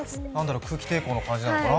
空気抵抗の感じなのかな。